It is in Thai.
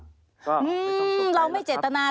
อือ้ออเราไม่เจตนา